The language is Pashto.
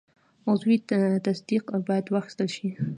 عضوي تصدیق باید واخیستل شي.